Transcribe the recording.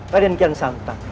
rakyat kian santang